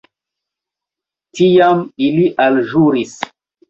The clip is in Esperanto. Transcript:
Tiam ili alĵuris.